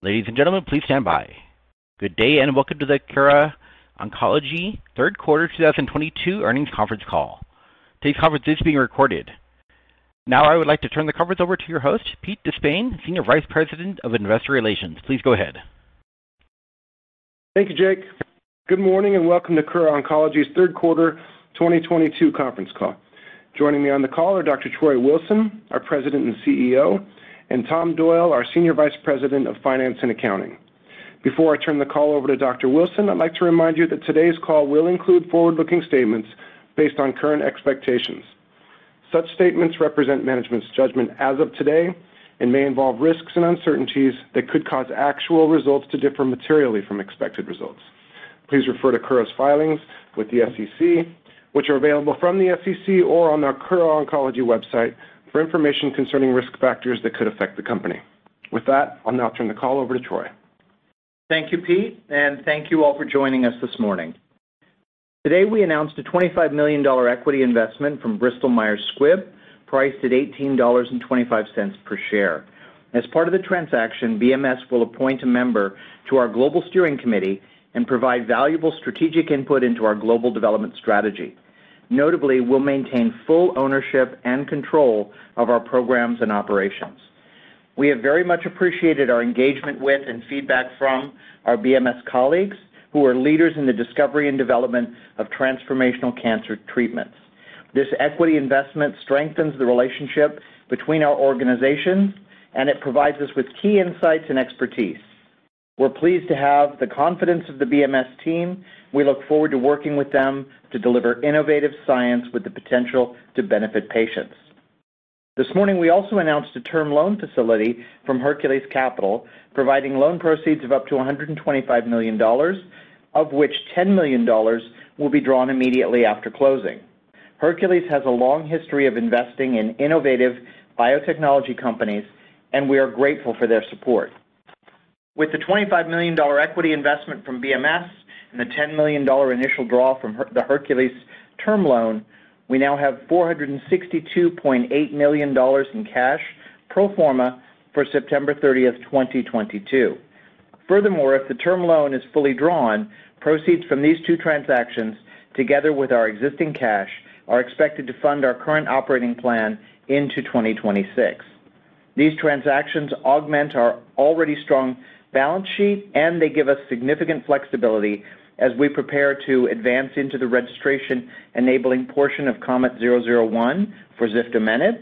Ladies and gentlemen, please stand by. Good day and welcome to The Kura Oncology Third Quarter 2022 Earnings Conference Call. Today's conference is being recorded. Now I would like to turn the conference over to your host, Pete De Spain, Senior Vice President of Investor Relations. Please go ahead. Thank you, Jake. Good morning and welcome to Kura Oncology's third quarter 2022 conference call. Joining me on the call are Dr. Troy Wilson, our President and CEO, and Tom Doyle, our Senior Vice President of Finance and Accounting. Before I turn the call over to Dr. Wilson, I'd like to remind you that today's call will include forward-looking statements based on current expectations. Such statements represent management's judgment as of today and may involve risks and uncertainties that could cause actual results to differ materially from expected results. Please refer to Kura's filings with the SEC, which are available from the SEC or on our Kura Oncology website for information concerning risk factors that could affect the company. With that, I'll now turn the call over to Troy. Thank you, Pete, and thank you all for joining us this morning. Today, we announced a $25 million equity investment from Bristol Myers Squibb, priced at $18.25 per share. As part of the transaction, BMS will appoint a member to our Global Steering Committee and provide valuable strategic input into our global development strategy. Notably, we'll maintain full ownership and control of our programs and operations. We have very much appreciated our engagement with and feedback from our BMS colleagues, who are leaders in the discovery and development of transformational cancer treatments. This equity investment strengthens the relationship between our organizations, and it provides us with key insights and expertise. We're pleased to have the confidence of the BMS team. We look forward to working with them to deliver innovative science with the potential to benefit patients. This morning, we also announced a term loan facility from Hercules Capital, providing loan proceeds of up to $125 million, of which $10 million will be drawn immediately after closing. Hercules Capital has a long history of investing in innovative biotechnology companies, and we are grateful for their support. With the $25 million equity investment from BMS and the $10 million initial draw from the Hercules term loan, we now have $462.8 million in cash pro forma for September 30, 2022. Furthermore, if the term loan is fully drawn, proceeds from these two transactions, together with our existing cash, are expected to fund our current operating plan into 2026. These transactions augment our already strong balance sheet, and they give us significant flexibility as we prepare to advance into the registration-enabling portion of KOMET-001 for ziftomenib,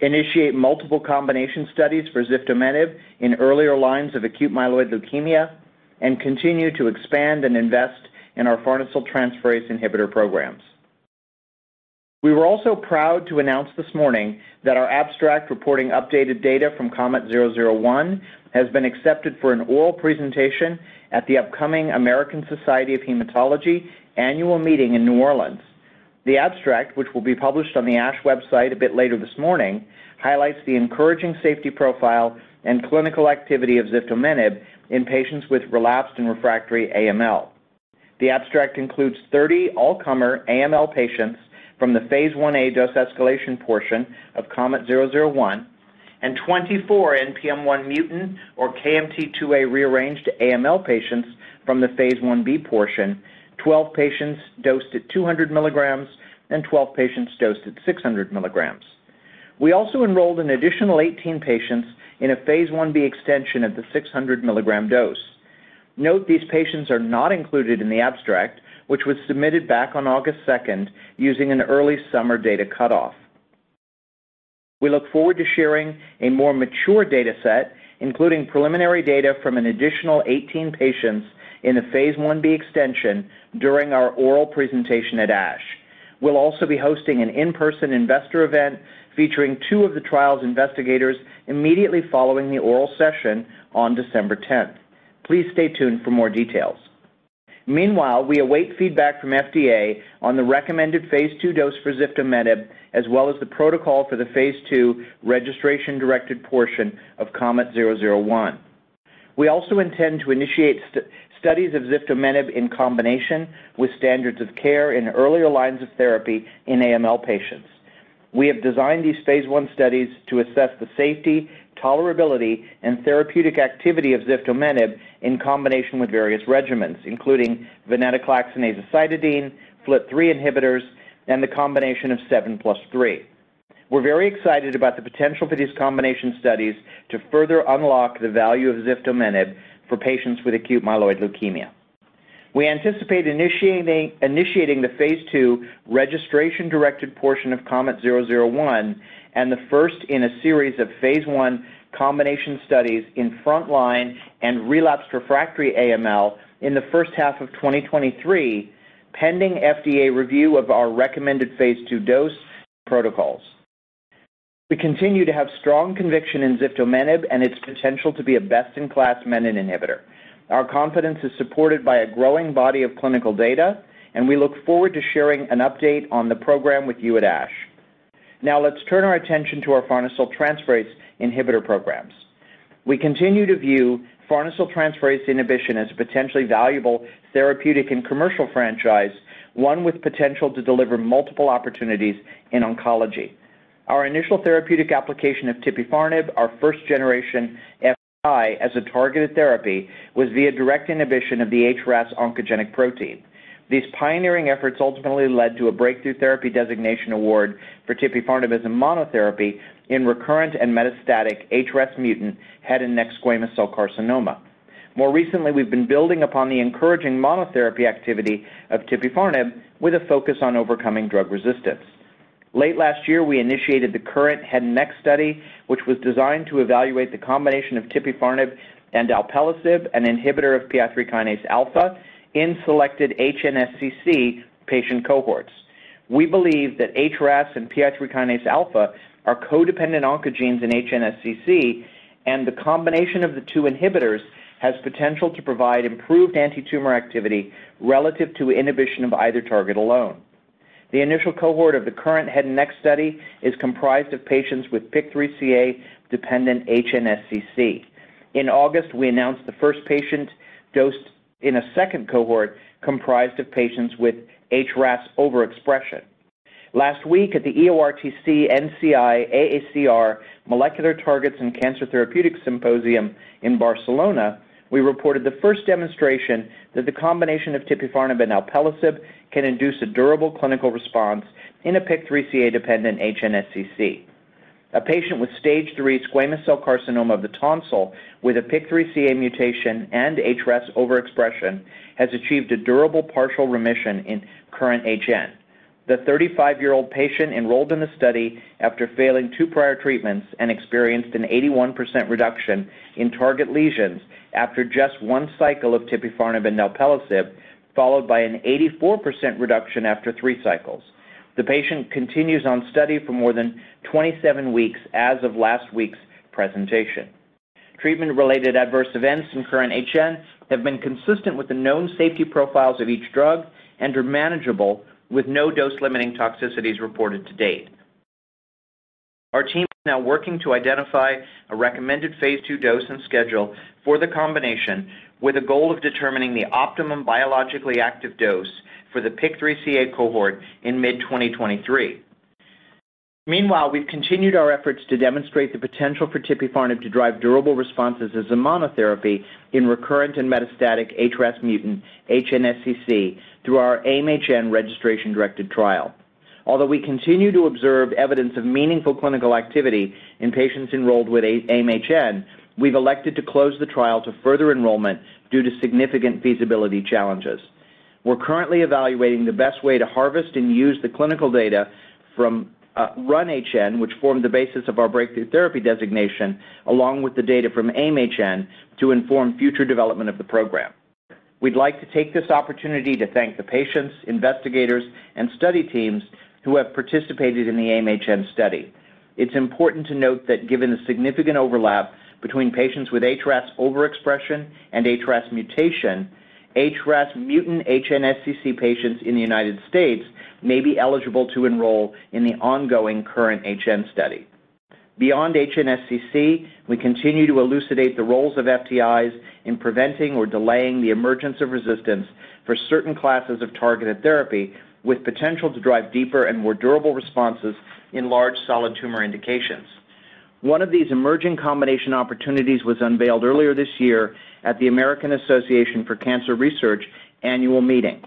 initiate multiple combination studies for ziftomenib in earlier lines of acute myeloid leukemia, and continue to expand and invest in our farnesyl transferase inhibitor programs. We were also proud to announce this morning that our abstract reporting updated data from KOMET-001 has been accepted for an oral presentation at the upcoming American Society of Hematology Annual Meeting in New Orleans. The abstract, which will be published on the ASH website a bit later this morning, highlights the encouraging safety profile and clinical activity of ziftomenib in patients with relapsed and refractory AML. The abstract includes 30 all-comer AML patients from the phase 1A dose escalation portion of KOMET-001 and 24 NPM1 mutant or KMT2A rearranged AML patients from the phase 1B portion, 12 patients dosed at 200 milligrams and 12 patients dosed at 600 milligrams. We also enrolled an additional 18 patients in a phase 1B extension at the 600 milligram dose. Note these patients are not included in the abstract, which was submitted back on August 2 using an early summer data cutoff. We look forward to sharing a more mature data set, including preliminary data from an additional 18 patients in the phase 1B extension during our oral presentation at ASH. We'll also be hosting an in-person investor event featuring two of the trial's investigators immediately following the oral session on December 10. Please stay tuned for more details. Meanwhile, we await feedback from FDA on the recommended phase 2 dose for ziftomenib, as well as the protocol for the phase 2 registration-directed portion of KOMET-001. We also intend to initiate studies of ziftomenib in combination with standards of care in earlier lines of therapy in AML patients. We have designed these phase 1 studies to assess the safety, tolerability, and therapeutic activity of ziftomenib in combination with various regimens, including venetoclax and azacitidine, FLT3 inhibitors, and the combination of 7+3. We're very excited about the potential for these combination studies to further unlock the value of ziftomenib for patients with acute myeloid leukemia. We anticipate initiating the Phase 2 registration-directed portion of KOMET-001 and the first in a series of Phase 1 combination studies in front-line and relapsed refractory AML in the first half of 2023, pending FDA review of our recommended Phase 2 dose and protocols. We continue to have strong conviction in ziftomenib and its potential to be a best-in-class menin inhibitor. Our confidence is supported by a growing body of clinical data, and we look forward to sharing an update on the program with you at ASH. Now let's turn our attention to our farnesyl transferase inhibitor programs. We continue to view farnesyl transferase inhibition as a potentially valuable therapeutic and commercial franchise, one with potential to deliver multiple opportunities in oncology. Our initial therapeutic application of tipifarnib, our first generation FI as a targeted therapy, was via direct inhibition of the HRAS oncogenic protein. These pioneering efforts ultimately led to a breakthrough therapy designation award for tipifarnib as a monotherapy in recurrent and metastatic HRAS mutant head and neck squamous cell carcinoma. More recently, we've been building upon the encouraging monotherapy activity of tipifarnib with a focus on overcoming drug resistance. Late last year, we initiated the current head and neck study, which was designed to evaluate the combination of tipifarnib and alpelisib, an inhibitor of PI3 kinase alpha, in selected HNSCC patient cohorts. We believe that HRAS and PI3 kinase alpha are codependent oncogenes in HNSCC, and the combination of the two inhibitors has potential to provide improved antitumor activity relative to inhibition of either target alone. The initial cohort of the current head and neck study is comprised of patients with PIK3CA-dependent HNSCC. In August, we announced the first patient dosed in a second cohort comprised of patients with HRAS overexpression. Last week at the EORTC-NCI-AACR Molecular Targets and Cancer Therapeutics Symposium in Barcelona, we reported the first demonstration that the combination of tipifarnib and alpelisib can induce a durable clinical response in a PIK3CA-dependent HNSCC. A patient with stage 3 squamous cell carcinoma of the tonsil with a PIK3CA mutation and HRAS overexpression has achieved a durable partial remission in KURRENT-HN. The 35-year-old patient enrolled in the study after failing 2 prior treatments and experienced an 81% reduction in target lesions after just 1 cycle of tipifarnib and alpelisib, followed by an 84% reduction after 3 cycles. The patient continues on study for more than 27 weeks as of last week's presentation. Treatment-related adverse events in KURRENT-HN have been consistent with the known safety profiles of each drug and are manageable with no dose-limiting toxicities reported to date. Our team is now working to identify a recommended phase 2 dose and schedule for the combination with a goal of determining the optimum biologically active dose for the PIK3CA cohort in mid-2023. Meanwhile, we've continued our efforts to demonstrate the potential for tipifarnib to drive durable responses as a monotherapy in recurrent and metastatic HRAS mutant HNSCC through our AIM-HN registration-directed trial. Although we continue to observe evidence of meaningful clinical activity in patients enrolled with AIM-HN, we've elected to close the trial to further enrollment due to significant feasibility challenges. We're currently evaluating the best way to harvest and use the clinical data from RUN-HN, which formed the basis of our breakthrough therapy designation, along with the data from AIM-HN to inform future development of the program. We'd like to take this opportunity to thank the patients, investigators, and study teams who have participated in the AIM-HN study. It's important to note that given the significant overlap between patients with HRAS overexpression and HRAS mutation, HRAS mutant HNSCC patients in the United States may be eligible to enroll in the ongoing KURRENT-HN study. Beyond HNSCC, we continue to elucidate the roles of FTIs in preventing or delaying the emergence of resistance for certain classes of targeted therapy with potential to drive deeper and more durable responses in large solid tumor indications. One of these emerging combination opportunities was unveiled earlier this year at the American Association for Cancer Research Annual Meeting.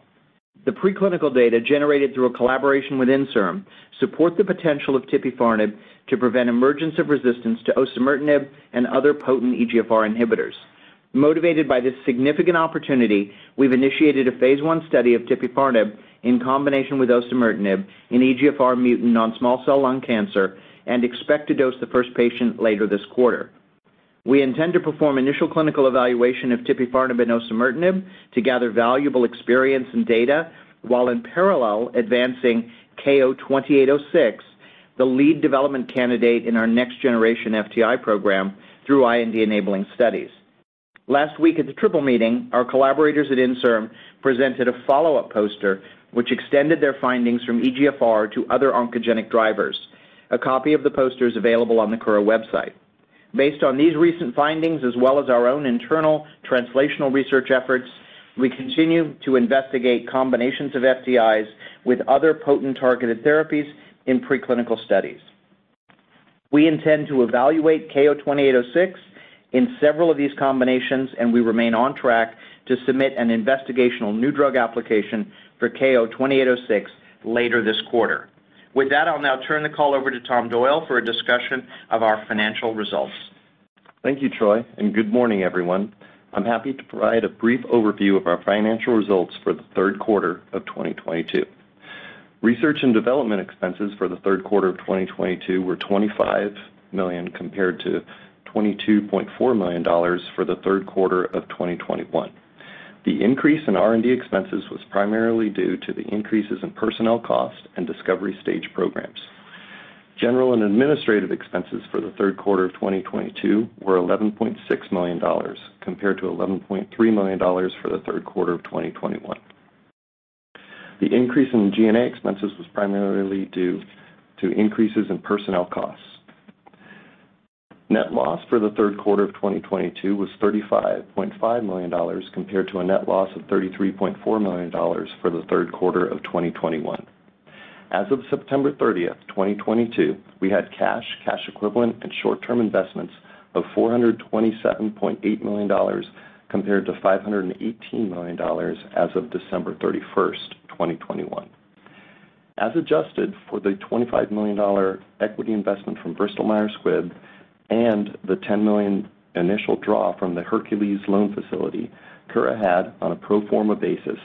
The preclinical data generated through a collaboration with INSERM support the potential of tipifarnib to prevent emergence of resistance to osimertinib and other potent EGFR inhibitors. Motivated by this significant opportunity, we've initiated a phase one study of tipifarnib in combination with osimertinib in EGFR mutant non-small cell lung cancer and expect to dose the first patient later this quarter. We intend to perform initial clinical evaluation of tipifarnib and osimertinib to gather valuable experience and data, while in parallel advancing KO-2806, the lead development candidate in our next generation FTI program through IND-enabling studies. Last week at the EORTC-NCI-AACR Symposium, our collaborators at INSERM presented a follow-up poster which extended their findings from EGFR to other oncogenic drivers. A copy of the poster is available on the Kura website. Based on these recent findings, as well as our own internal translational research efforts, we continue to investigate combinations of FTIs with other potent targeted therapies in preclinical studies. We intend to evaluate KO-2806 in several of these combinations, and we remain on track to submit an investigational new drug application for KO-2806 later this quarter. With that, I'll now turn the call over to Tom Doyle for a discussion of our financial results. Thank you, Troy, and good morning, everyone. I'm happy to provide a brief overview of our financial results for the third quarter of 2022. Research and development expenses for the third quarter of 2022 were $25 million, compared to $22.4 million for the third quarter of 2021. The increase in R&D expenses was primarily due to the increases in personnel costs and discovery stage programs. General and administrative expenses for the third quarter of 2022 were $11.6 million, compared to $11.3 million for the third quarter of 2021. The increase in G&A expenses was primarily due to increases in personnel costs. Net loss for the third quarter of 2022 was $35.5 million, compared to a net loss of $33.4 million for the third quarter of 2021. As of September 30, 2022, we had cash equivalents and short-term investments of $427.8 million compared to $518 million as of December 31, 2021. As adjusted for the $25 million equity investment from Bristol Myers Squibb and the $10 million initial draw from the Hercules Capital loan facility, Kura had on a pro forma basis,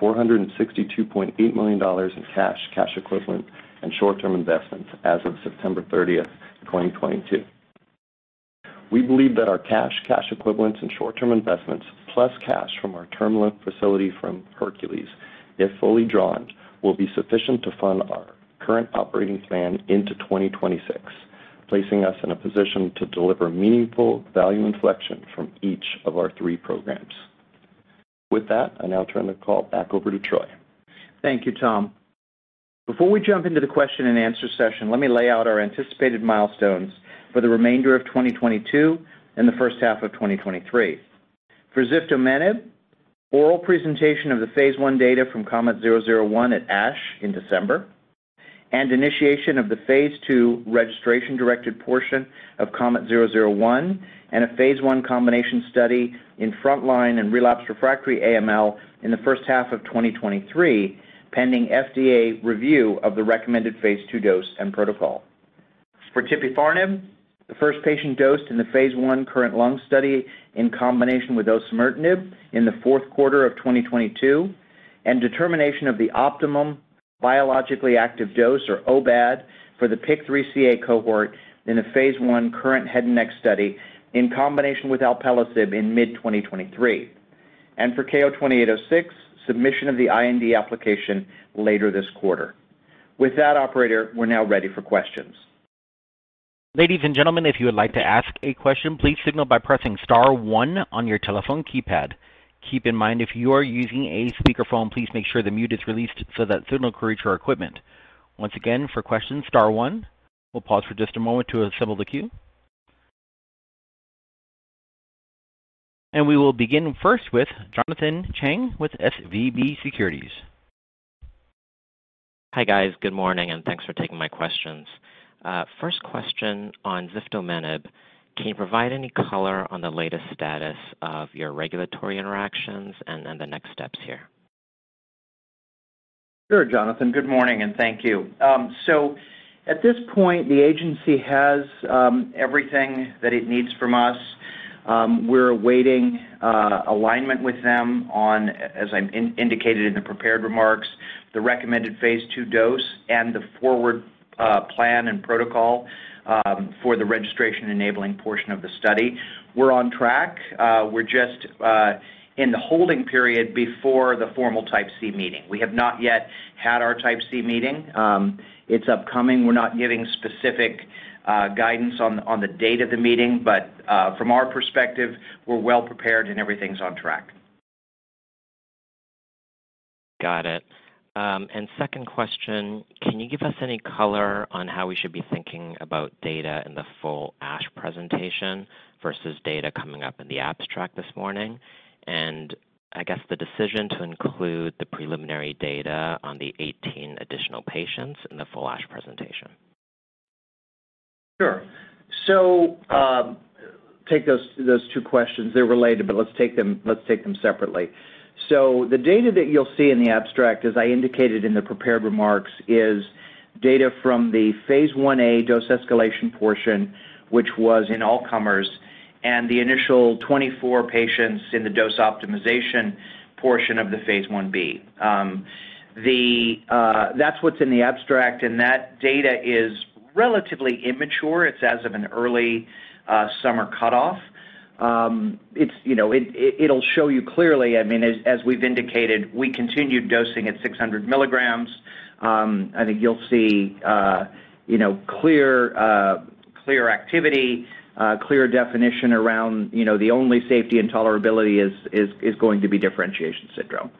$462.8 million in cash equivalents and short-term investments as of September 30, 2022. We believe that our cash equivalents and short-term investments, plus cash from our term loan facility from Hercules Capital, if fully drawn, will be sufficient to fund our current operating plan into 2026, placing us in a position to deliver meaningful value inflection from each of our three programs. With that, I now turn the call back over to Troy. Thank you, Tom. Before we jump into the question and answer session, let me lay out our anticipated milestones for the remainder of 2022 and the first half of 2023. For ziftomenib, oral presentation of the phase 1 data from KOMET-001 at ASH in December, and initiation of the phase 2 registration-directed portion of KOMET-001, and a phase 1 combination study in frontline and relapse refractory AML in the first half of 2023, pending FDA review of the recommended phase 2 dose and protocol. For tipifarnib, the first patient dosed in the phase 1 KURRENT-LUNG study in combination with osimertinib in the fourth quarter of 2022, and determination of the optimum biologically active dose or OBAD for the PIK3CA cohort in a phase 1 KURRENT-HN study in combination with alpelisib in mid-2023. For KO-2806, submission of the IND application later this quarter. With that operator, we're now ready for questions. Ladies and gentlemen, if you would like to ask a question, please signal by pressing star one on your telephone keypad. Keep in mind, if you are using a speakerphone, please make sure the mute is released so that signal can reach our equipment. Once again, for questions, star one. We'll pause for just a moment to assemble the queue. We will begin first with Jonathan Chang with SVB Securities. Hi, guys. Good morning, and thanks for taking my questions. First question on Ziftomenib. Can you provide any color on the latest status of your regulatory interactions and then the next steps here? Sure, Jonathan. Good morning, and thank you. At this point, the agency has everything that it needs from us. We're awaiting alignment with them on, as I'm indicated in the prepared remarks, the recommended phase 2 dose and the forward plan and protocol for the registration enabling portion of the study. We're on track. We're just in the holding period before the formal Type C meeting. We have not yet had our Type C meeting. It's upcoming. We're not giving specific guidance on the date of the meeting, but from our perspective, we're well prepared and everything's on track. Got it. Second question, can you give us any color on how we should be thinking about data in the full ASH presentation versus data coming up in the abstract this morning? I guess the decision to include the preliminary data on the 18 additional patients in the full ASH presentation. Sure. Take those two questions. They're related, but let's take them separately. The data that you'll see in the abstract, as I indicated in the prepared remarks, is data from the phase 1A dose escalation portion, which was in all comers and the initial 24 patients in the dose optimization portion of the phase 1B. That's what's in the abstract, and that data is relatively immature. It's as of an early summer cutoff. It's, you know, it'll show you clearly, I mean, as we've indicated, we continued dosing at 600 milligrams. I think you'll see, you know, clear activity, clear definition around, you know, the only safety and tolerability is going to be differentiation syndrome.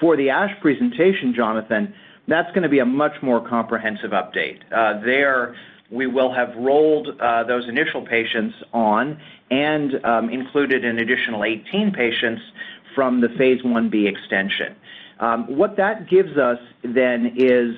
For the ASH presentation, Jonathan, that's gonna be a much more comprehensive update. There we will have rolled those initial patients on and included an additional 18 patients from the phase 1b extension. What that gives us then is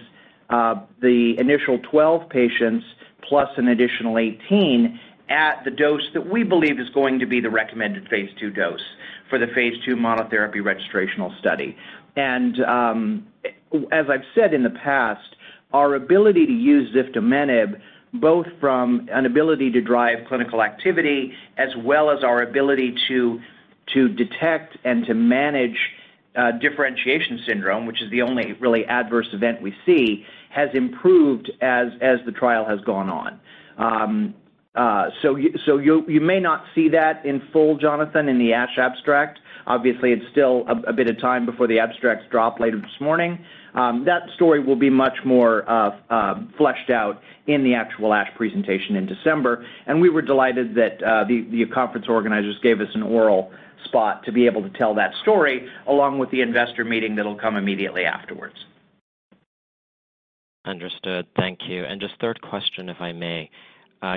the initial 12 patients plus an additional 18 at the dose that we believe is going to be the recommended phase 2 dose for the phase 2 monotherapy registrational study. I've said in the past, our ability to use ziftomenib both from an ability to drive clinical activity as well as our ability to detect and to manage differentiation syndrome, which is the only really adverse event we see, has improved as the trial has gone on. So you may not see that in full, Jonathan, in the ASH abstract. Obviously, it's still a bit of time before the abstracts drop later this morning. That story will be much more fleshed out in the actual ASH presentation in December, and we were delighted that the conference organizers gave us an oral spot to be able to tell that story along with the investor meeting that'll come immediately afterwards. Understood. Thank you. Just third question, if I may.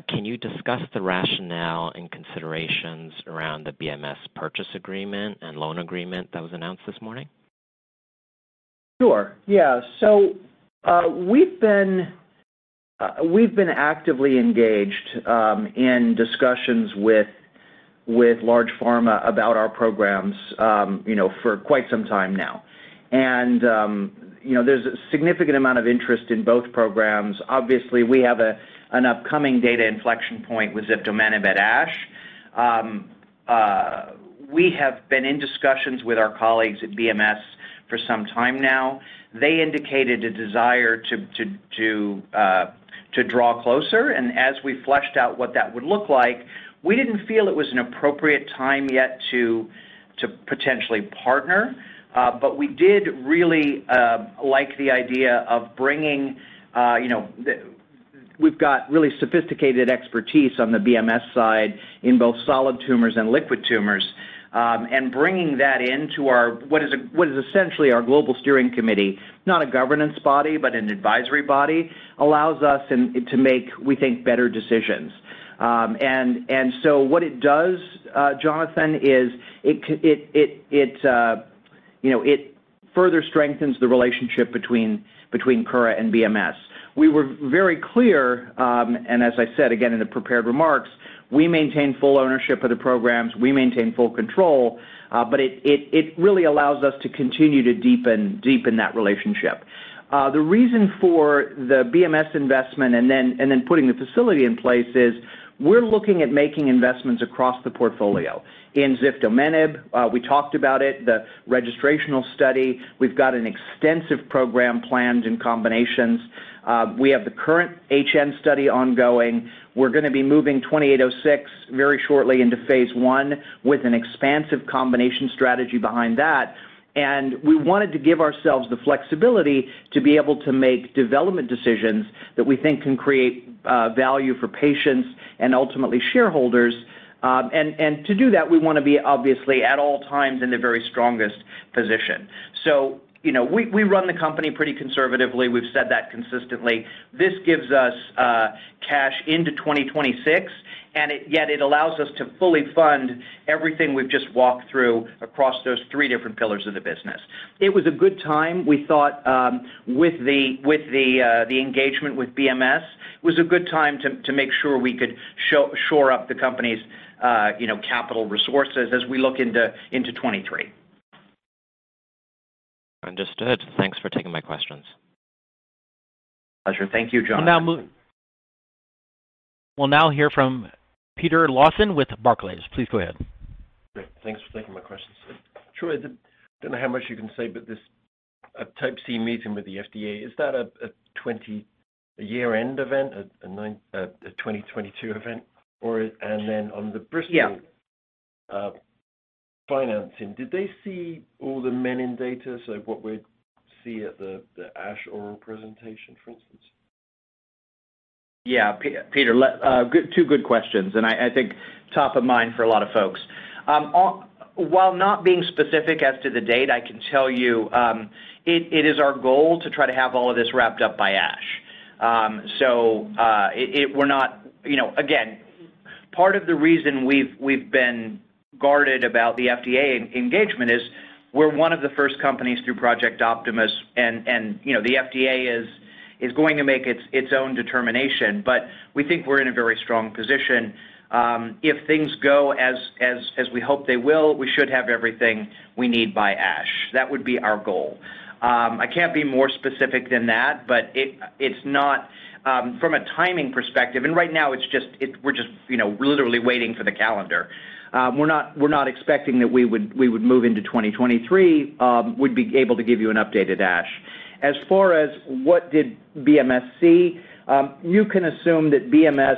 Can you discuss the rationale and considerations around the BMS purchase agreement and loan agreement that was announced this morning? Sure, yeah. We've been actively engaged in discussions with large pharma about our programs, you know, for quite some time now. You know, there's a significant amount of interest in both programs. Obviously, we have an upcoming data inflection point with ziftomenib at ASH. We have been in discussions with our colleagues at BMS for some time now. They indicated a desire to draw closer, and as we fleshed out what that would look like, we didn't feel it was an appropriate time yet to potentially partner. We did really like the idea of bringing. We've got really sophisticated expertise on the BMS side in both solid tumors and liquid tumors. Bringing that into our what is essentially our global steering committee, not a governance body, but an advisory body, allows us to make, we think, better decisions. What it does, Jonathan, is, you know, it further strengthens the relationship between Kura and BMS. We were very clear, and as I said again in the prepared remarks, we maintain full ownership of the programs, we maintain full control, but it really allows us to continue to deepen that relationship. The reason for the BMS investment and then putting the facility in place is we're looking at making investments across the portfolio. In ziftomenib, we talked about it, the registrational study. We've got an extensive program planned in combinations. We have the KURRENT-HN study ongoing. We're gonna be moving KO-2806 very shortly into phase 1 with an expansive combination strategy behind that. We wanted to give ourselves the flexibility to be able to make development decisions that we think can create value for patients and ultimately shareholders. To do that, we wanna be obviously at all times in the very strongest position. You know, we run the company pretty conservatively. We've said that consistently. This gives us cash into 2026, and yet it allows us to fully fund everything we've just walked through across those three different pillars of the business. It was a good time, we thought, with the engagement with BMS. It was a good time to make sure we could shore up the company's, you know, capital resources as we look into 2023. Understood. Thanks for taking my questions. Pleasure. Thank you, Jonathan. We'll now hear from Peter Lawson with Barclays. Please go ahead. Great. Thanks for taking my questions. Troy, I don't know how much you can say, but this Type C meeting with the FDA, is that a year-end event, a 2022 event, or is. Then on the Bristol- Yeah. Financing, did they see all the menin data, so what we'd see at the ASH oral presentation, for instance? Yeah. Peter, two good questions, and I think top of mind for a lot of folks. While not being specific as to the date, I can tell you, it is our goal to try to have all of this wrapped up by ASH. You know, again, part of the reason we've been guarded about the FDA engagement is we're one of the first companies through Project Optimus and, you know, the FDA is going to make its own determination, but we think we're in a very strong position. If things go as we hope they will, we should have everything we need by ASH. That would be our goal. I can't be more specific than that, but it's not. From a timing perspective, right now we're just literally waiting for the calendar. We're not expecting that we would move into 2023. We'd be able to give you an update at ASH. As far as what did BMS see, you can assume that BMS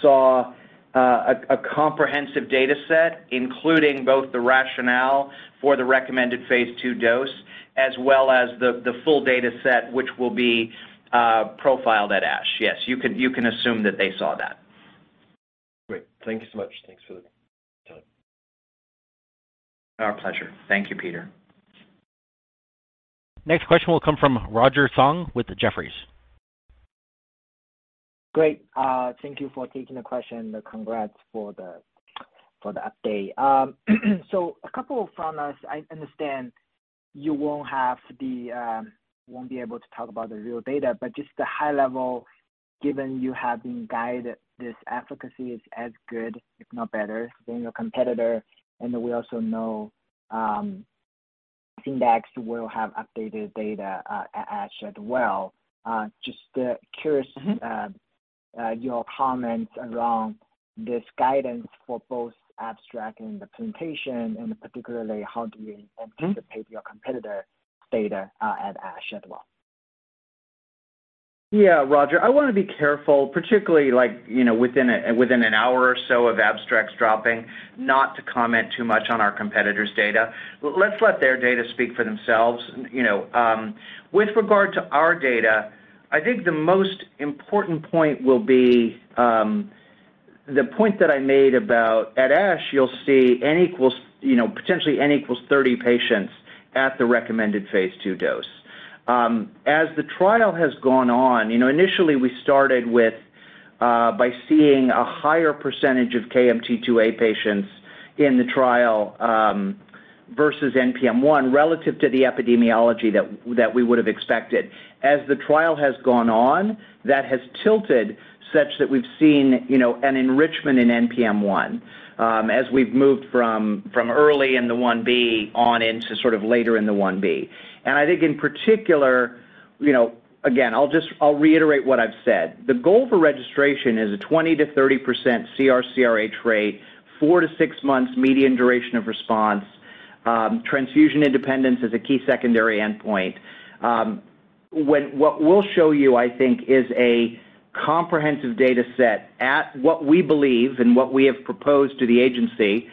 saw a comprehensive data set, including both the rationale for the recommended phase 2 dose as well as the full data set which will be profiled at ASH. Yes, you can assume that they saw that. Great. Thank you so much. Thanks for the time. Our pleasure. Thank you, Peter. Next question will come from Roger Song with Jefferies. Great. Thank you for taking the question. Congrats for the update. So a couple from us. I understand you won't be able to talk about the real data, but just the high level, given you have been guided this efficacy is as good, if not better than your competitor, and we also know, Syndax will have updated data at ASH as well. Just curious, your comments around this guidance for both abstract and the presentation, and particularly how do you anticipate your competitor data at ASH as well? Yeah, Roger. I wanna be careful, particularly like, you know, within an hour or so of abstracts dropping, not to comment too much on our competitor's data. Let's let their data speak for themselves. You know, with regard to our data, I think the most important point will be the point that I made about at ASH. You'll see N equals, you know, potentially N equals 30 patients at the recommended phase 2 dose. As the trial has gone on, you know, initially we started by seeing a higher percentage of KMT2A patients in the trial, versus NPM1 relative to the epidemiology that we would have expected. As the trial has gone on, that has tilted such that we've seen, you know, an enrichment in NPM1, as we've moved from early in the 1B on into sort of later in the 1B. I think in particular, you know, again, I'll reiterate what I've said. The goal for registration is a 20%-30% CR/CRh rate, 4-6 months median duration of response. Transfusion independence is a key secondary endpoint. What we'll show you, I think, is a comprehensive data set at what we believe and what we have proposed to the agency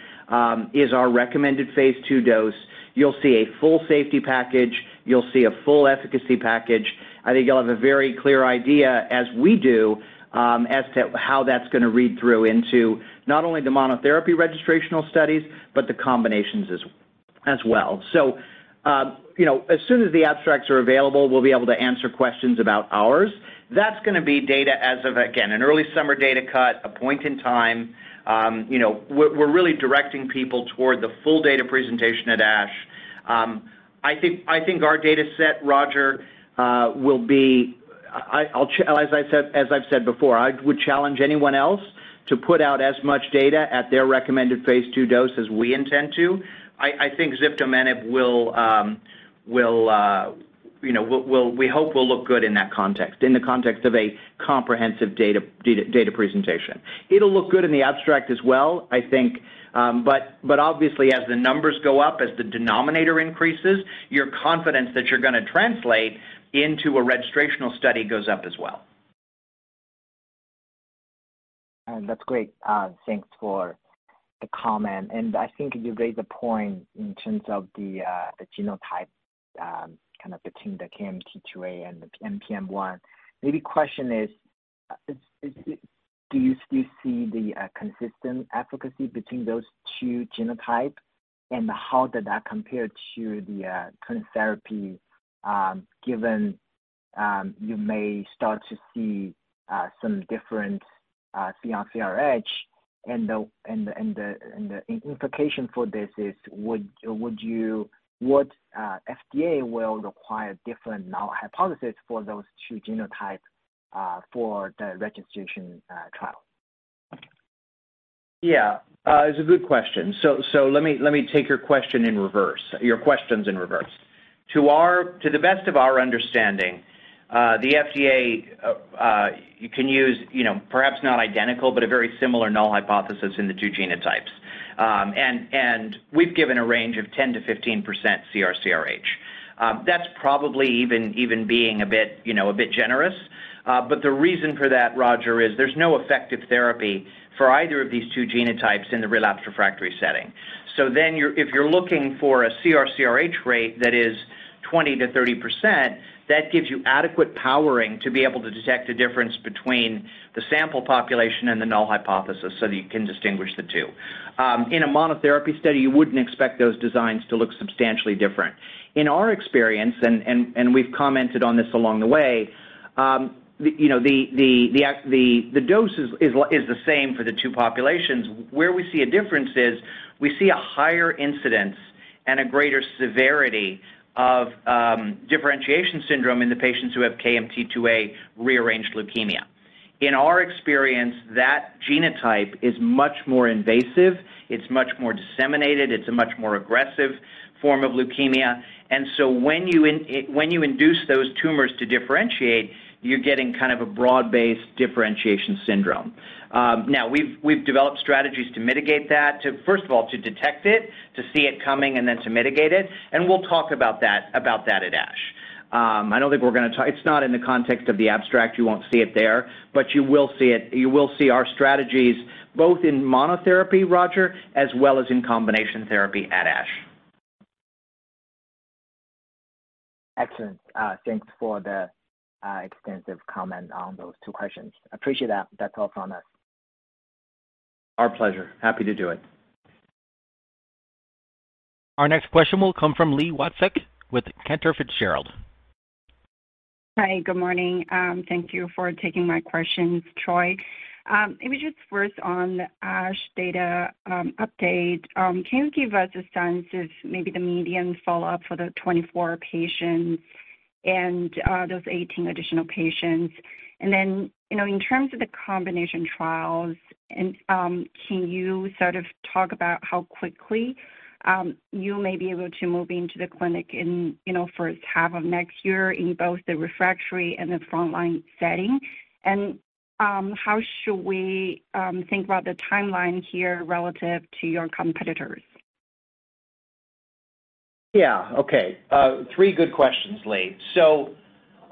is our recommended phase 2 dose. You'll see a full safety package, you'll see a full efficacy package. I think you'll have a very clear idea, as we do, as to how that's gonna read through into not only the monotherapy registrational studies, but the combinations as well. You know, as soon as the abstracts are available, we'll be able to answer questions about ours. That's gonna be data as of, again, an early summer data cut, a point in time. You know, we're really directing people toward the full data presentation at ASH. I think our data set, Roger, will be. As I've said before, I would challenge anyone else to put out as much data at their recommended phase 2 dose as we intend to. I think Ziftomenib will. We hope will look good in that context, in the context of a comprehensive data presentation. It'll look good in the abstract as well, I think, but obviously as the numbers go up, as the denominator increases, your confidence that you're gonna translate into a registrational study goes up as well. That's great. Thanks for the comment. I think you raised a point in terms of the genotype kind of between the KMT2A and the NPM1. Do you still see the consistent efficacy between those two genotypes, and how did that compare to the current therapy, given you may start to see some different CR/CRh, and the implication for this is, would the FDA require different null hypothesis for those two genotypes for the registration trial? Yeah. It's a good question. Let me take your questions in reverse. To the best of our understanding, the FDA, you can use, you know, perhaps not identical, but a very similar null hypothesis in the two genotypes. And we've given a range of 10%-15% CR/CRh. That's probably even being a bit, you know, a bit generous. The reason for that, Roger, is there's no effective therapy for either of these two genotypes in the relapsed refractory setting. Then if you're looking for a CR/CRh rate that is 20%-30%, that gives you adequate powering to be able to detect the difference between the sample population and the null hypothesis so that you can distinguish the two. In a monotherapy study, you wouldn't expect those designs to look substantially different. In our experience, and we've commented on this along the way, you know, the dose is the same for the two populations. Where we see a difference is we see a higher incidence and a greater severity of differentiation syndrome in the patients who have KMT2A rearranged leukemia. In our experience, that genotype is much more invasive, it's much more disseminated, it's a much more aggressive form of leukemia. When you induce those tumors to differentiate, you're getting kind of a broad-based differentiation syndrome. Now we've developed strategies to mitigate that, first of all, to detect it, to see it coming, and then to mitigate it, and we'll talk about that at ASH. It's not in the context of the abstract. You won't see it there, but you will see it. You will see our strategies both in monotherapy, Roger, as well as in combination therapy at ASH. Excellent. Thanks for the extensive comment on those two questions. Appreciate that. That's all from us. Our pleasure. Happy to do it. Our next question will come from Li Wang Watsek with Cantor Fitzgerald. Hi. Good morning. Thank you for taking my questions, Troy. Maybe just first on the ASH data update. Can you give us a sense of maybe the median follow-up for the 24 patients and those 18 additional patients? You know, in terms of the combination trials, can you sort of talk about how quickly you may be able to move into the clinic in, you know, first half of next year in both the refractory and the frontline setting? How should we think about the timeline here relative to your competitors? Yeah. Okay. Three good questions, Lee.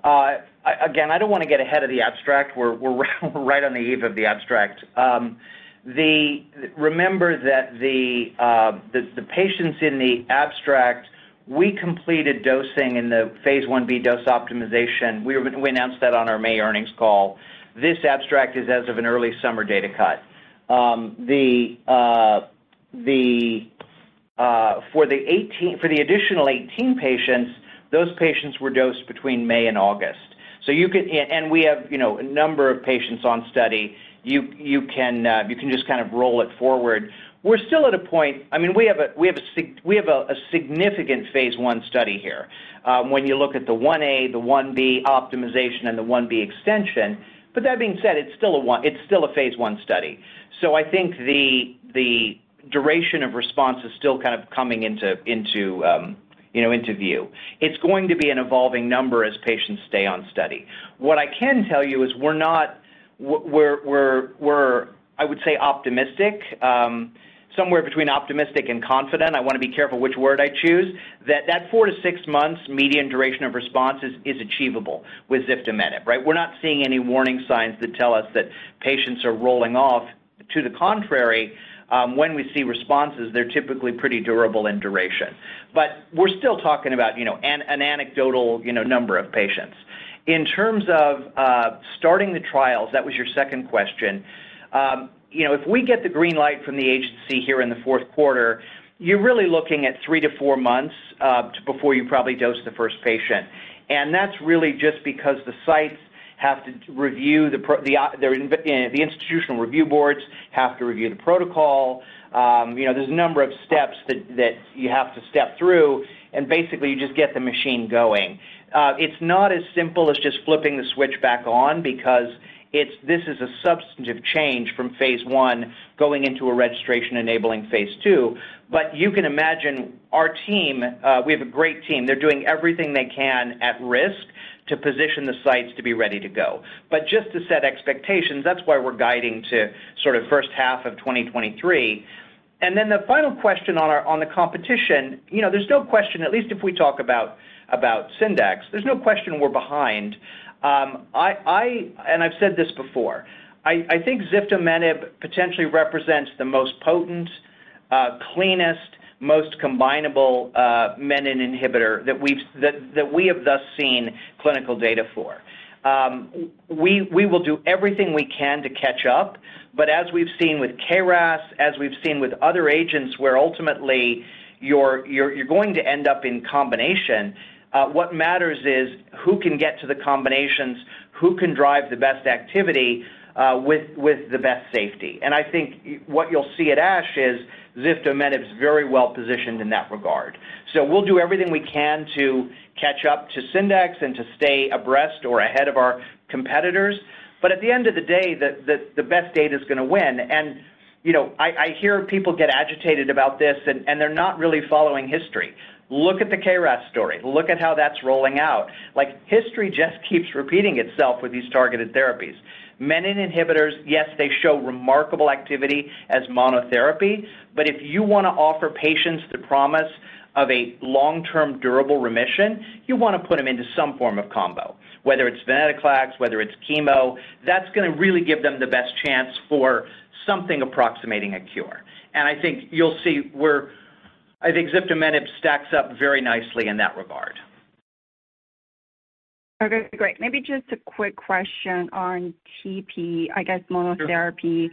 Again, I don't wanna get ahead of the abstract. We're right on the eve of the abstract. Remember that the patients in the abstract. We completed dosing in the phase 1b dose optimization. We announced that on our May earnings call. This abstract is as of an early summer data cut. For the additional 18 patients, those patients were dosed between May and August. And we have, you know, a number of patients on study. You can just kind of roll it forward. We're still at a point. I mean, we have a significant phase 1 study here when you look at the 1a, the 1b optimization and the 1b extension. That being said, it's still a phase 1 study. I think the duration of response is still kind of coming into you know view. It's going to be an evolving number as patients stay on study. What I can tell you is we're optimistic somewhere between optimistic and confident, I wanna be careful which word I choose, that 4-6 months median duration of response is achievable with ziftomenib, right? We're not seeing any warning signs that tell us that patients are rolling off. To the contrary, when we see responses, they're typically pretty durable in duration. We're still talking about, you know, an anecdotal, you know, number of patients. In terms of starting the trials, that was your second question, you know, if we get the green light from the agency here in the fourth quarter, you're really looking at 3-4 months before you probably dose the first patient, and that's really just because the sites have to review the protocol. You know, there's a number of steps that you have to step through, and basically you just get the machine going. It's not as simple as just flipping the switch back on. This is a substantive change from phase 1 going into a registration-enabling phase 2. You can imagine our team, we have a great team, they're doing everything they can at risk to position the sites to be ready to go. Just to set expectations, that's why we're guiding to sort of first half of 2023. Then the final question on the competition, you know, there's no question, at least if we talk about Syndax, there's no question we're behind. I've said this before, I think ziftomenib potentially represents the most potent, cleanest, most combinable, menin inhibitor that we have thus seen clinical data for. We will do everything we can to catch up, but as we've seen with KRAS, as we've seen with other agents where ultimately you're going to end up in combination, what matters is who can get to the combinations, who can drive the best activity with the best safety. I think what you'll see at ASH is ziftomenib's very well positioned in that regard. We'll do everything we can to catch up to Syndax and to stay abreast or ahead of our competitors. At the end of the day, the best data is gonna win. You know, I hear people get agitated about this and they're not really following history. Look at the KRAS story. Look at how that's rolling out. Like history just keeps repeating itself with these targeted therapies. Menin inhibitors, yes, they show remarkable activity as monotherapy, but if you wanna offer patients the promise of a long-term durable remission, you wanna put them into some form of combo. Whether it's venetoclax, whether it's chemo, that's gonna really give them the best chance for something approximating a cure. I think you'll see ziftomenib stacks up very nicely in that regard. Okay, great. Maybe just a quick question on tipifarnib, I guess monotherapy.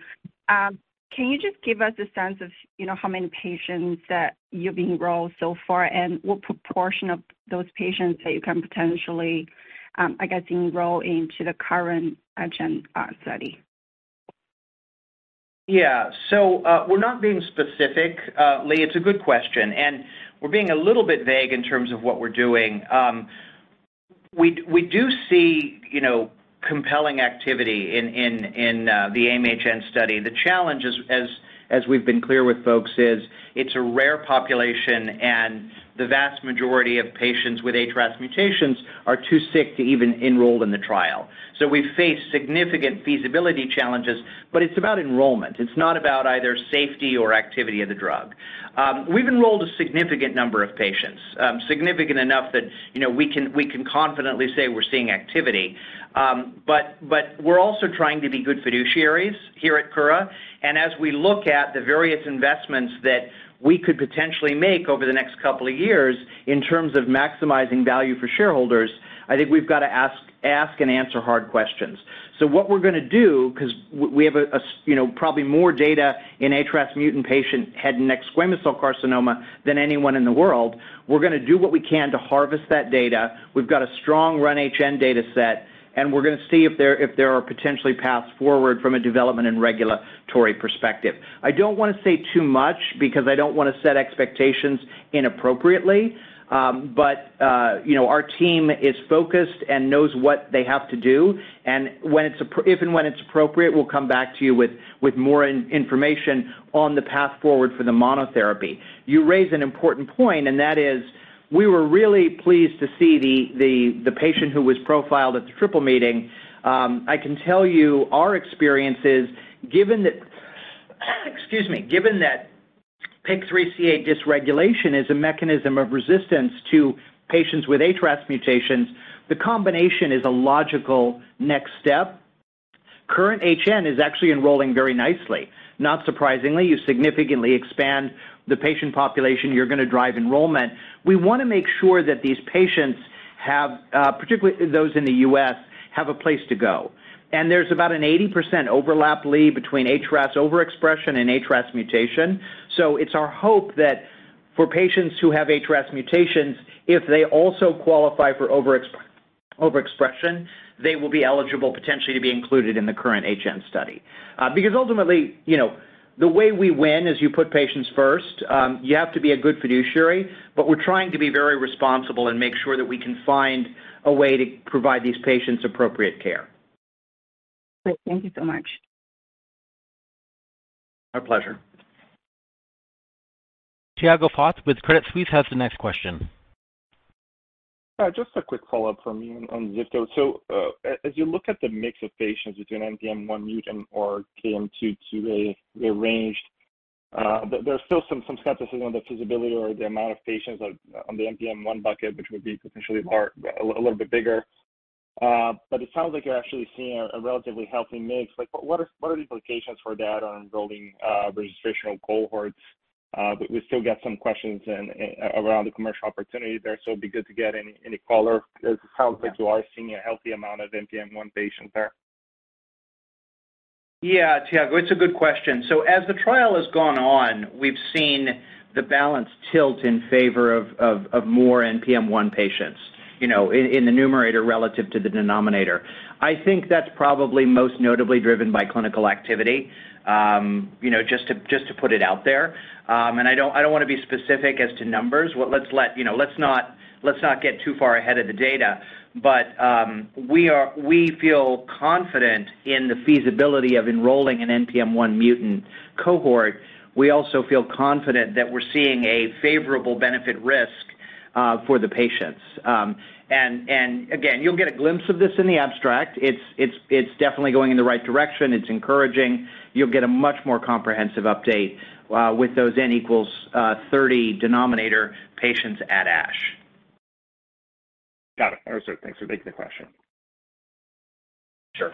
Sure. Can you just give us a sense of, you know, how many patients that you've enrolled so far, and what proportion of those patients that you can potentially, I guess, enroll into the current HN study? Yeah. We're not being specific, Lee. It's a good question, and we're being a little bit vague in terms of what we're doing. We do see, you know, compelling activity in the AIM-HN study. The challenge is, as we've been clear with folks is, it's a rare population and the vast majority of patients with HRAS mutations are too sick to even enroll in the trial. We face significant feasibility challenges, but it's about enrollment. It's not about either safety or activity of the drug. We've enrolled a significant number of patients, significant enough that, you know, we can confidently say we're seeing activity. We're also trying to be good fiduciaries here at Kura, and as we look at the various investments that we could potentially make over the next couple of years in terms of maximizing value for shareholders, I think we've got to ask and answer hard questions. What we're gonna do, 'cause we have, you know, probably more data in HRAS mutant patient head and neck squamous cell carcinoma than anyone in the world, we're gonna do what we can to harvest that data, we've got a strong RUN-HN data set, and we're gonna see if there are potentially paths forward from a development and regulatory perspective. I don't wanna say too much because I don't wanna set expectations inappropriately, but you know, our team is focused and knows what they have to do, and when it's if and when it's appropriate, we'll come back to you with more information on the path forward for the monotherapy. You raise an important point, and that is we were really pleased to see the patient who was profiled at the proof full meeting. I can tell you our experience is given that PIK3CA dysregulation is a mechanism of resistance to patients with HRAS mutations, the combination is a logical next step. KURRENT-HN is actually enrolling very nicely. Not surprisingly, you significantly expand the patient population, you're gonna drive enrollment. We wanna make sure that these patients have, particularly those in the U.S., have a place to go. There's about an 80% overlap, Lee, between HRAS overexpression and HRAS mutation. It's our hope that for patients who have HRAS mutations, if they also qualify for overexpression, they will be eligible potentially to be included in the KURRENT-HN study. Because ultimately, you know, the way we win is you put patients first. You have to be a good fiduciary, but we're trying to be very responsible and make sure that we can find a way to provide these patients appropriate care. Great. Thank you so much. My pleasure. Tiago Fauth with Credit Suisse has the next question. Just a quick follow-up from me on ziftomenib. As you look at the mix of patients between NPM1 mutant or KMT2A rearranged, there's still some skepticism on the feasibility or the amount of patients on the NPM1 bucket, which would be potentially a little bit bigger. It sounds like you're actually seeing a relatively healthy mix. Like, what are the implications for that on building registrational cohorts? We still get some questions around the commercial opportunity there, so it'd be good to get any color. It sounds like you are seeing a healthy amount of NPM1 patients there. Yeah, Tiago, it's a good question. As the trial has gone on, we've seen the balance tilt in favor of more NPM1 patients, you know, in the numerator relative to the denominator. I think that's probably most notably driven by clinical activity, you know, just to put it out there. I don't wanna be specific as to numbers. Let's not get too far ahead of the data. We feel confident in the feasibility of enrolling an NPM1 mutant cohort. We also feel confident that we're seeing a favorable benefit risk for the patients. Again, you'll get a glimpse of this in the abstract. It's definitely going in the right direction. It's encouraging. You'll get a much more comprehensive update with those N equals 30 denominator patients at ASH. Got it. All right, sir. Thanks for taking the question. Sure.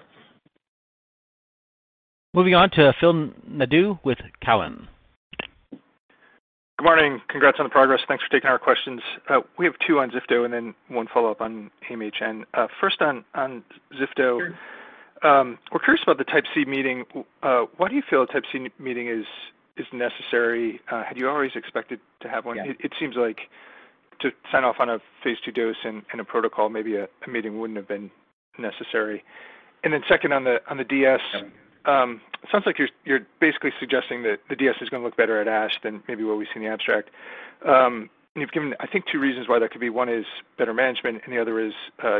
Moving on to Phil Nadeau with Cowen. Good morning. Congrats on the progress. Thanks for taking our questions. We have two on ziftomenib and then one follow-up on AIM-HN. First on ziftomenib. Sure. We're curious about the Type C meeting. Why do you feel a Type C meeting is necessary? Had you always expected to have one? Yeah. It seems like to sign off on a phase 2 dose and a protocol, maybe a meeting wouldn't have been necessary. Then second on the DS- Yeah. Sounds like you're basically suggesting that the DS is gonna look better at ASH than maybe what we see in the abstract. You've given, I think, two reasons why that could be. One is better management, and the other is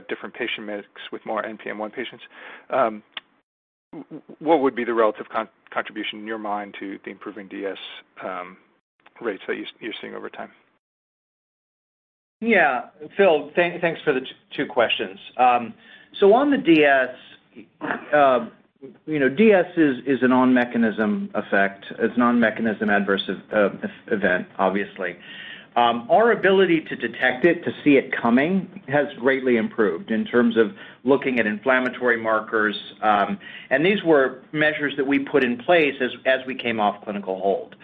different patient mix with more NPM1 patients. What would be the relative contribution in your mind to the improving DS rates that you're seeing over time? Yeah. Phil, thanks for the two questions. So on the DS, you know, DS is a non-mechanism effect. It's non-mechanism adverse event, obviously. Our ability to detect it, to see it coming, has greatly improved in terms of looking at inflammatory markers, and these were measures that we put in place as we came off clinical hold.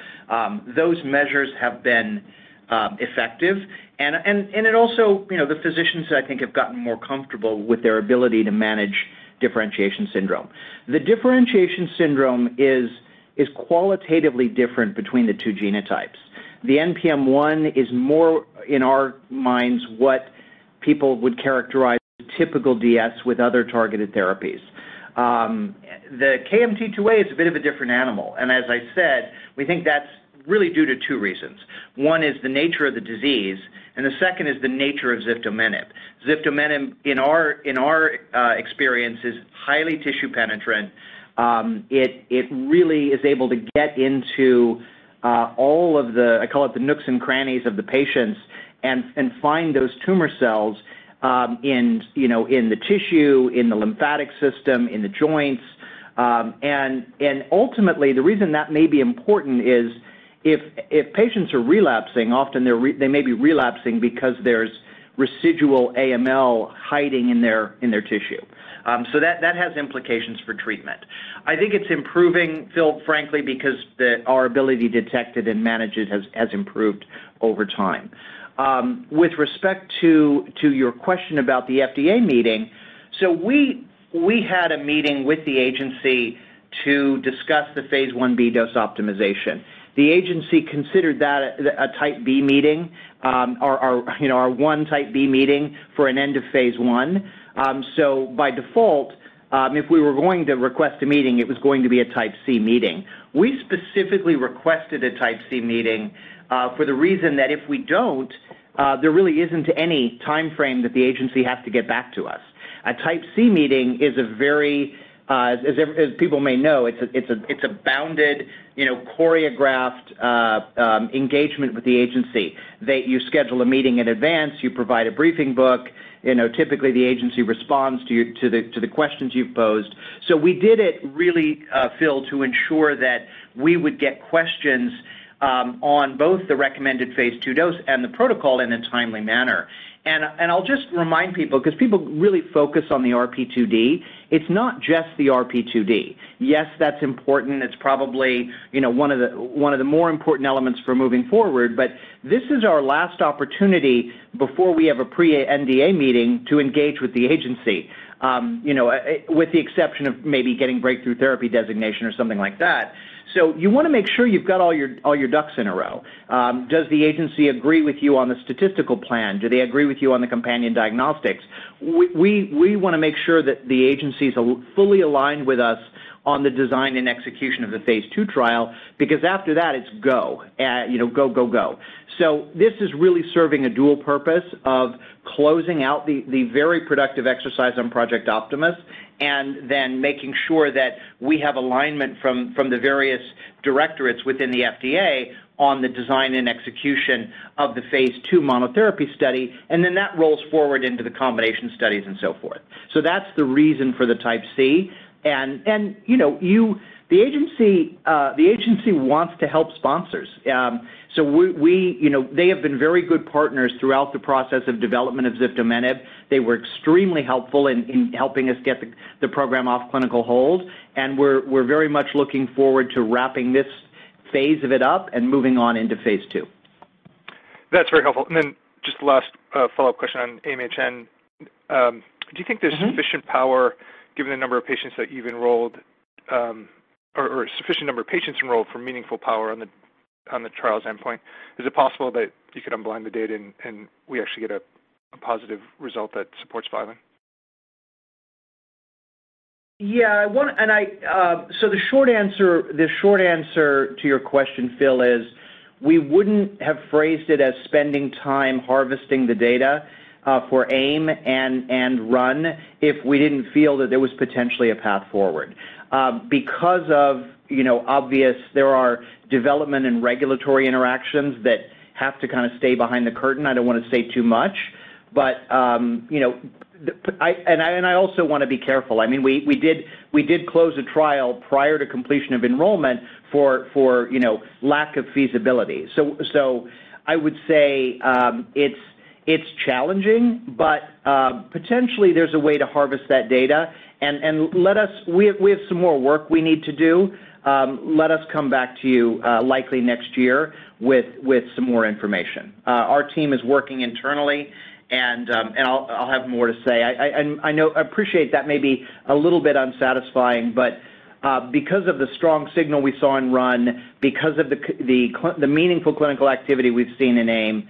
Those measures have been effective. It also, you know, the physicians, I think, have gotten more comfortable with their ability to manage differentiation syndrome. The differentiation syndrome is qualitatively different between the two genotypes. The NPM1 is more, in our minds, what people would characterize typical DS with other targeted therapies. The KMT2A is a bit of a different animal, and as I said, we think that's really due to two reasons. One is the nature of the disease, and the second is the nature of ziftomenib. Ziftomenib, in our experience, is highly tissue penetrant. It really is able to get into all of the, I call it the nooks and crannies of the patients and find those tumor cells in you know in the tissue, in the lymphatic system, in the joints. Ultimately, the reason that may be important is if patients are relapsing, often they may be relapsing because there's residual AML hiding in their tissue. So that has implications for treatment. I think it's improving, Phil, frankly, because our ability to detect it and manage it has improved over time. With respect to your question about the FDA meeting, we had a meeting with the agency to discuss the phase 1b dose optimization. The agency considered that a Type B meeting, our one Type B meeting for an end of phase 1. By default, if we were going to request a meeting, it was going to be a Type C meeting. We specifically requested a Type C meeting for the reason that if we don't, there really isn't any timeframe that the agency has to get back to us. A Type C meeting is a very as people may know, it's a bounded, you know, choreographed engagement with the agency, that you schedule a meeting in advance, you provide a briefing book. You know, typically the agency responds to the questions you've posed. We did it really, Phil, to ensure that we would get questions on both the recommended phase 2 dose and the protocol in a timely manner. I'll just remind people because people really focus on the RP2D. It's not just the RP2D. Yes, that's important. It's probably, you know, one of the more important elements for moving forward. This is our last opportunity before we have a pre-NDA meeting to engage with the agency, you know, with the exception of maybe getting breakthrough therapy designation or something like that. You wanna make sure you've got all your ducks in a row. Does the agency agree with you on the statistical plan? Do they agree with you on the companion diagnostics? We wanna make sure that the agencies are fully aligned with us on the design and execution of the phase 2 trial, because after that, it's go, go. This is really serving a dual purpose of closing out the very productive exercise on Project Optimus, and then making sure that we have alignment from the various directorates within the FDA on the design and execution of the phase 2 monotherapy study, and then that rolls forward into the combination studies and so forth. That's the reason for the Type C. And the agency wants to help sponsors. We you know, they have been very good partners throughout the process of development of ziftomenib. They were extremely helpful in helping us get the program off clinical hold, and we're very much looking forward to wrapping this phase of it up and moving on into phase two. That's very helpful. Then just last follow-up question on AIM-HN. Do you think there's- Mm-hmm. Sufficient power given the number of patients that you've enrolled, or sufficient number of patients enrolled for meaningful power on the trial's endpoint? Is it possible that you could unblind the data and we actually get a positive result that supports filing? The short answer to your question, Phil, is we wouldn't have phrased it as spending time harvesting the data for AIM-HN and RUN-HN if we didn't feel that there was potentially a path forward. Because of, you know, obviously there are development and regulatory interactions that have to kind of stay behind the curtain, I don't wanna say too much. I also wanna be careful. I mean, we did close a trial prior to completion of enrollment for, you know, lack of feasibility. I would say it's challenging, but potentially there's a way to harvest that data. We have some more work we need to do. Let us come back to you, likely next year with some more information. Our team is working internally, and I'll have more to say. I know I appreciate that may be a little bit unsatisfying, but because of the strong signal we saw in RUN, because of the meaningful clinical activity we've seen in AIM,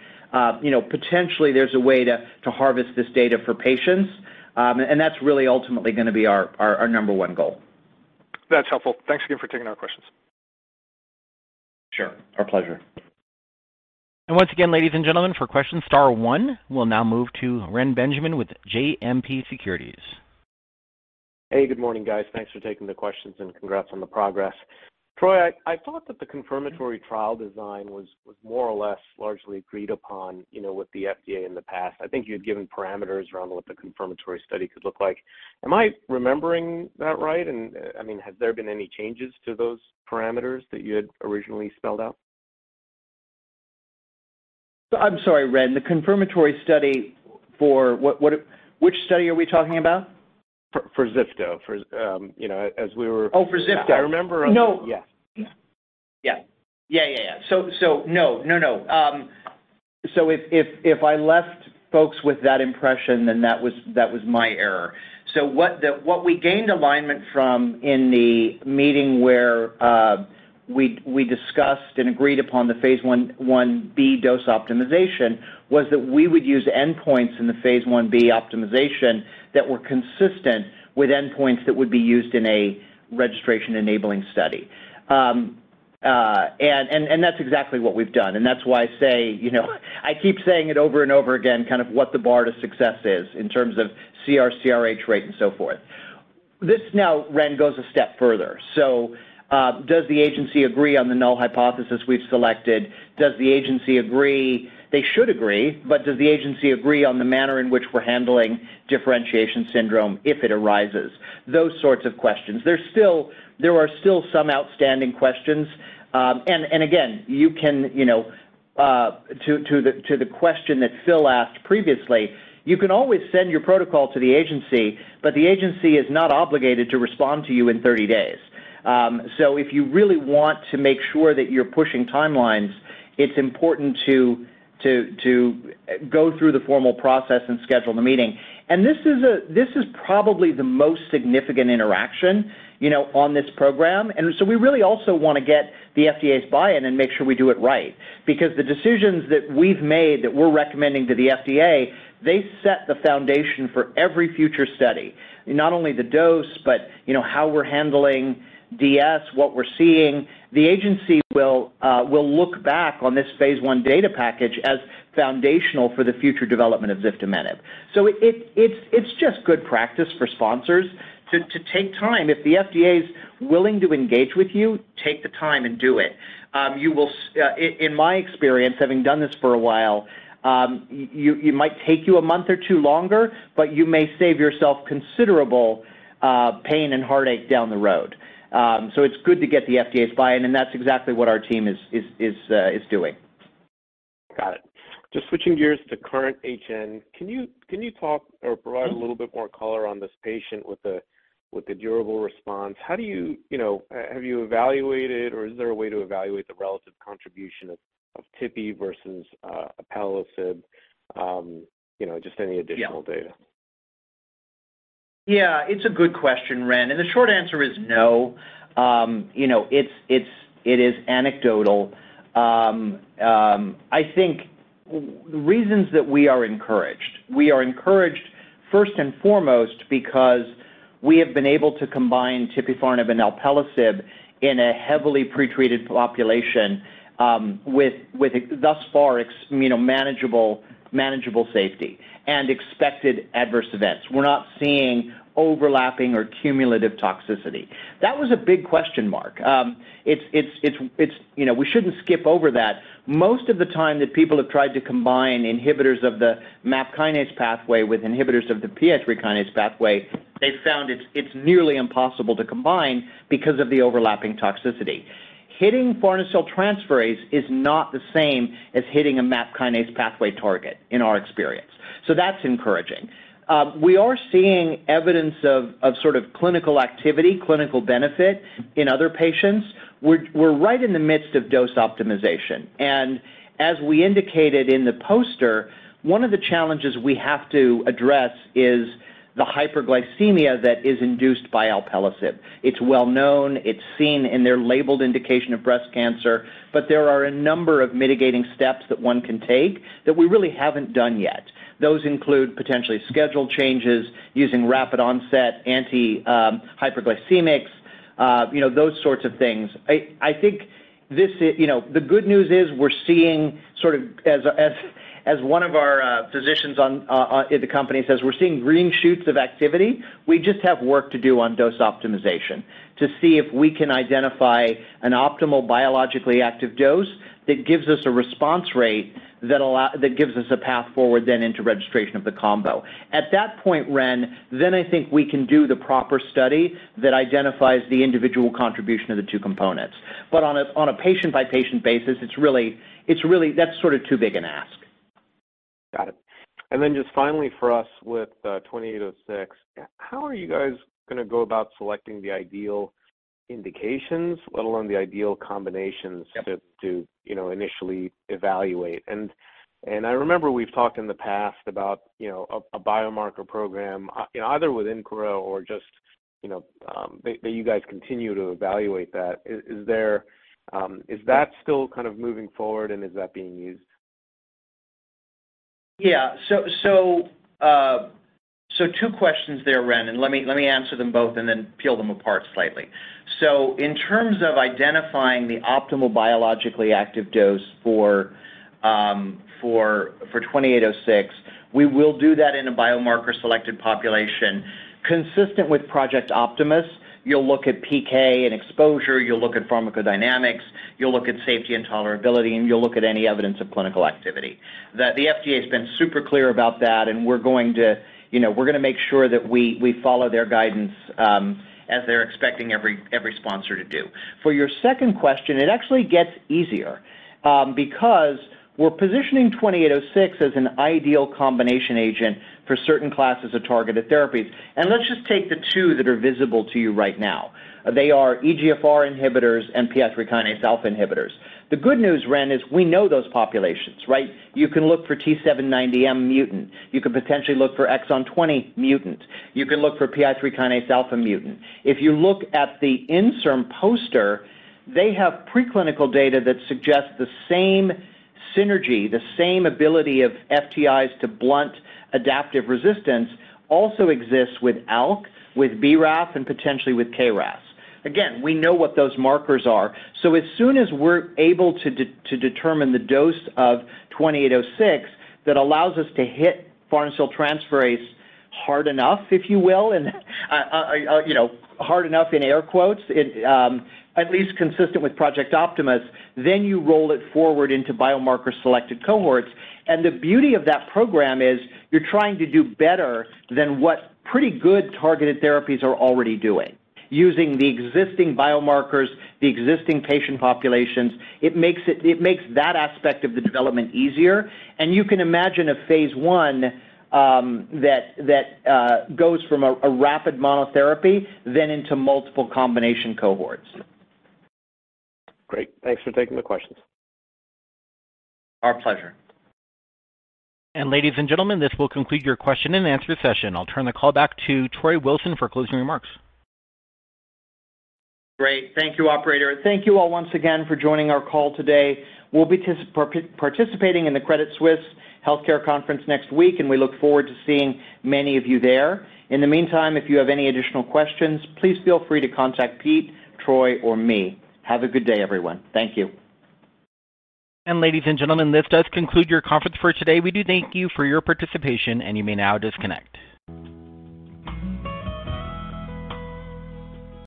you know, potentially there's a way to harvest this data for patients. That's really ultimately gonna be our number one goal. That's helpful. Thanks again for taking our questions. Sure. Our pleasure. Once again, ladies and gentlemen, for questions, star one. We'll now move to Reni Benjamin with JMP Securities. Hey, good morning, guys. Thanks for taking the questions and congrats on the progress. Troy, I thought that the confirmatory trial design was more or less largely agreed upon, you know, with the FDA in the past. I think you had given parameters around what the confirmatory study could look like. Am I remembering that right? I mean, have there been any changes to those parameters that you had originally spelled out? I'm sorry, Ren. The confirmatory study for what? Which study are we talking about? For ziftomenib, you know, as we were Oh, for ziftomenib. I remember- No. Yeah. Yeah. No. If I left folks with that impression, then that was my error. What we gained alignment from in the meeting where we discussed and agreed upon the phase 1b dose optimization was that we would use endpoints in the phase 1b optimization that were consistent with endpoints that would be used in a registration-enabling study. And that's exactly what we've done. That's why I say, you know, I keep saying it over and over again, kind of what the bar to success is in terms of CR/CRh rate and so forth. This now, Ren, goes a step further. Does the agency agree on the null hypothesis we've selected? Does the agency agree... They should agree, but does the agency agree on the manner in which we're handling differentiation syndrome if it arises? Those sorts of questions. There are still some outstanding questions. And again, you can, you know, to the question that Phil asked previously, you can always send your protocol to the agency, but the agency is not obligated to respond to you in 30 days. So if you really want to make sure that you're pushing timelines, it's important to go through the formal process and schedule the meeting. This is probably the most significant interaction, you know, on this program. We really also wanna get the FDA's buy-in and make sure we do it right. Because the decisions that we've made that we're recommending to the FDA, they set the foundation for every future study. Not only the dose, but you know, how we're handling DS, what we're seeing. The agency will look back on this phase 1 data package as foundational for the future development of ziftomenib. It's just good practice for sponsors to take time. If the FDA's willing to engage with you, take the time and do it. In my experience, having done this for a while, it might take you a month or two longer, but you may save yourself considerable pain and heartache down the road. It's good to get the FDA's buy-in, and that's exactly what our team is doing. Just switching gears to KURRENT-HN, can you talk or provide a little bit more color on this patient with the durable response? You know, have you evaluated or is there a way to evaluate the relative contribution of tipifarnib versus alpelisib? You know, just any additional data. Yeah, it's a good question, Ren. The short answer is no. You know, it is anecdotal. I think the reasons that we are encouraged first and foremost because we have been able to combine tipifarnib and alpelisib in a heavily pretreated population with thus far, you know, manageable safety and expected adverse events. We're not seeing overlapping or cumulative toxicity. That was a big question mark. You know, we shouldn't skip over that. Most of the time that people have tried to combine inhibitors of the MAP kinase pathway with inhibitors of the PI3 kinase pathway, they've found it's nearly impossible to combine because of the overlapping toxicity. Hitting farnesyl transferase is not the same as hitting a MAP kinase pathway target, in our experience. That's encouraging. We are seeing evidence of sort of clinical activity, clinical benefit in other patients. We're right in the midst of dose optimization. As we indicated in the poster, one of the challenges we have to address is the hyperglycemia that is induced by alpelisib. It's well known, it's seen in their labeled indication of breast cancer, but there are a number of mitigating steps that one can take that we really haven't done yet. Those include potentially schedule changes, using rapid onset anti-hyperglycemics, you know, those sorts of things. I think this is. You know, the good news is we're seeing sort of as one of our physicians in the company says, we're seeing green shoots of activity. We just have work to do on dose optimization to see if we can identify an optimal biologically active dose that gives us a response rate that gives us a path forward then into registration of the combo. At that point, Ren, then I think we can do the proper study that identifies the individual contribution of the two components. On a patient-by-patient basis, it's really. That's sort of too big an ask. Got it. Just finally for us with 2806, how are you guys gonna go about selecting the ideal indications, let alone the ideal combinations? Yep. to, you know, initially evaluate? I remember we've talked in the past about, you know, a biomarker program either with Encora or just, you know, that you guys continue to evaluate that. Is that still kind of moving forward and is that being used? Two questions there, Ren, and let me answer them both and then peel them apart slightly. In terms of identifying the optimal biologically active dose for 2806, we will do that in a biomarker selected population. Consistent with Project Optimus, you'll look at PK and exposure, you'll look at pharmacodynamics, you'll look at safety and tolerability, and you'll look at any evidence of clinical activity. The FDA's been super clear about that, and we're going to. You know, we're gonna make sure that we follow their guidance, as they're expecting every sponsor to do. For your second question, it actually gets easier, because we're positioning 2806 as an ideal combination agent for certain classes of targeted therapies. Let's just take the two that are visible to you right now. They are EGFR inhibitors and PI3 kinase alpha inhibitors. The good news, Ren, is we know those populations, right? You can look for T790M mutant. You can potentially look for exon 20 mutant. You can look for PI3 kinase alpha mutant. If you look at the INSERM poster, they have preclinical data that suggests the same synergy, the same ability of FTIs to blunt adaptive resistance also exists with ALK, with BRAF, and potentially with KRAS. Again, we know what those markers are. As soon as we're able to to determine the dose of 2806 that allows us to hit farnesyl transferase hard enough, if you will, and you know, hard enough in air quotes, it at least consistent with Project Optimus, then you roll it forward into biomarker selected cohorts. The beauty of that program is you're trying to do better than what pretty good targeted therapies are already doing. Using the existing biomarkers, the existing patient populations, it makes that aspect of the development easier, and you can imagine a phase one that goes from a rapid monotherapy then into multiple combination cohorts. Great. Thanks for taking the questions. Our pleasure. Ladies and gentlemen, this will conclude your question and answer session. I'll turn the call back to Troy Wilson for closing remarks. Great. Thank you, operator. Thank you all once again for joining our call today. We'll be participating in the Credit Suisse Healthcare Conference next week, and we look forward to seeing many of you there. In the meantime, if you have any additional questions, please feel free to contact Pete, Troy, or me. Have a good day, everyone. Thank you. Ladies and gentlemen, this does conclude your conference for today. We do thank you for your participation, and you may now disconnect.